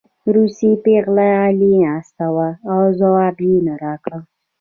روسۍ پېغله غلې ناسته وه او ځواب یې رانکړ